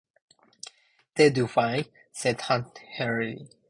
"They'll do fine," said Hunt heartily.